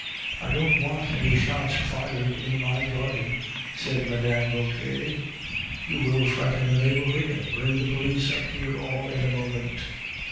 "I don't want any shots fired in my garden," said Mme. Vauquer. "You will frighten the neighborhood and bring the police up here all in a moment."